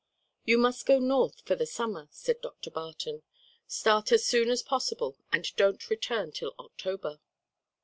"You must go north for the summer," said Dr. Barton, "start as soon as possible and don't return till October."